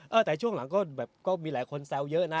เออเออแต่ช่วงหลังก็แบบก็มีหลายคนแซวเยอะน่ะครับ